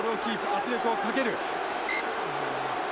圧力をかける。